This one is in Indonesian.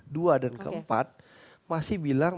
dan ke empat masih bilang